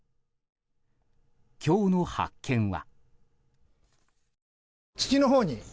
今日の発見は。